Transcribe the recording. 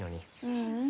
ううん。